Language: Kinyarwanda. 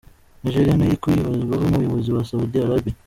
Nigeria nayo iri kwibazwaho n’abayobozi ba Saudi Arabia.